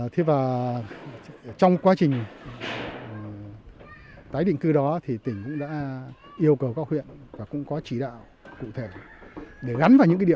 thế và trong quá trình tái định cư đó thì tỉnh cũng đã yêu cầu các huyện và cũng có chỉ đạo cụ thể để gắn vào những cái địa điểm